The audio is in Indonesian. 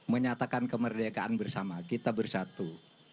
menyatakan kemerdekaan bersama kita bersatu